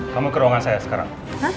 kamu ke ruangan saya sekarang